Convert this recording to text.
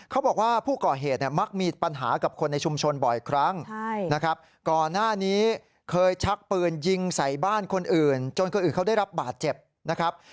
เขาบอกว่าผู้ก่อเหตุเนี่ยมักมีปัญหากับคนในชุมชนบ่อยครั้งนะครับก่อนหน้านี้เคยชักปืนยิงใส่บ้านคนอื่นจนคนอื่นเขาได้รับบาดเจ็บนะครับ